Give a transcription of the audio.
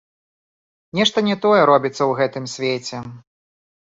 Нешта не тое робіцца ў гэтым свеце.